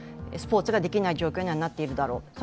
スポーツができない状況にはなっているだろう。